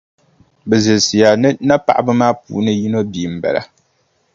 Bɛ zilisiya ni napaɣiba maa puuni yino bia m-bala.